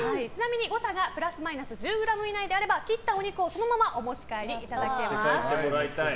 ちなみに誤差がプラスマイナス１０ｇ以内であれば切ったお肉をそのままお持ち帰りいただけます。